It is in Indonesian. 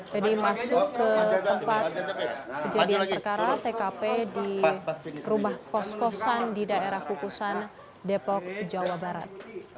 jadi masuk ke tempat kejadian terkara tkp di rumah kos kosan di daerah kukusan depok jawa barat